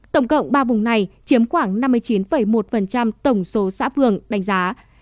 tổng cộng ba vùng này chiếm khoảng năm mươi chín một tổng số xã phường đánh giá